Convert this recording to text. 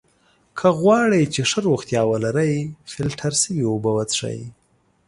که غواړی چې ښه روغتیا ولری ! فلټر سوي اوبه څښئ!